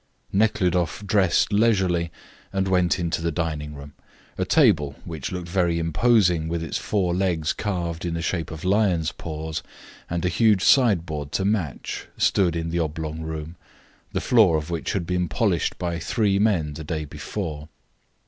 Nekhludoff dressed leisurely, and went into the dining room. A table, which looked very imposing with its four legs carved in the shape of lions' paws, and a huge side board to match, stood in the oblong room, the floor of which had been polished by three men the day before.